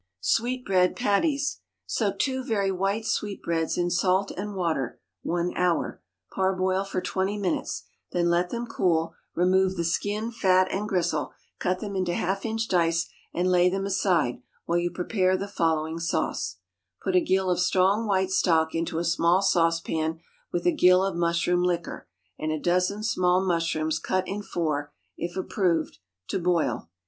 Sweetbread Patties. Soak two very white sweetbreads in salt and water one hour; parboil for twenty minutes; then let them cool; remove the skin, fat, and gristle; cut them into half inch dice, and lay them aside while you prepare the following sauce: Put a gill of strong white stock into a small saucepan with a gill of mushroom liquor (and a dozen small mushrooms cut in four if approved) to boil.